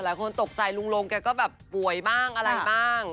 หลายคนตกใจลุงลงแกก็แบบป่วยบ้างอะไรบ้าง